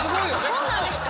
そうなんですか？